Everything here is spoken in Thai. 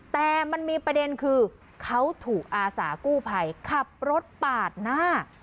แต่มันมีประเด็นคือเขาถูกอาสากู้ภัยขับรถปาดหน้า